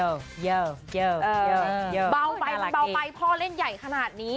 เบาไปพ่อเล่นใหญ่ขนาดนี้